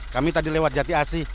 kami tadi lewat jati asih